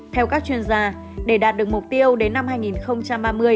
theo các chuyên gia để đạt được mục tiêu đến năm hai nghìn ba mươi